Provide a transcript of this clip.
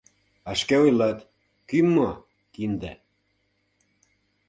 А шке ойлат: «Кӱм мо — кинде!..»